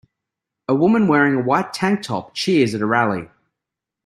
A woman wearing a white tank top cheers at a rally.